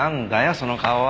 その顔は。